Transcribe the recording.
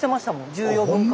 重要文化財。